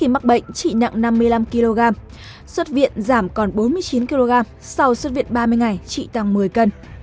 mắc bệnh trị nặng năm mươi năm kg xuất viện giảm còn bốn mươi chín kg sau xuất viện ba mươi ngày trị tăng một mươi cân